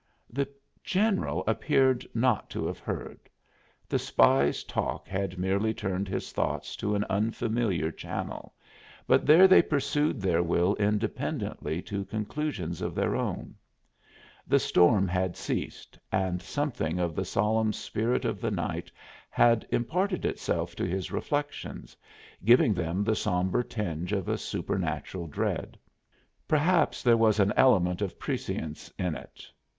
The general appeared not to have heard; the spy's talk had merely turned his thoughts into an unfamiliar channel, but there they pursued their will independently to conclusions of their own. The storm had ceased, and something of the solemn spirit of the night had imparted itself to his reflections, giving them the sombre tinge of a supernatural dread. Perhaps there was an element of prescience in it.